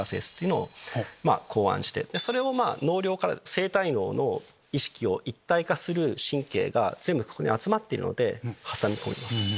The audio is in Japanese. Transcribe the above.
それを脳梁から生体脳の意識を一体化する神経が全部集まっているので挟み込みます。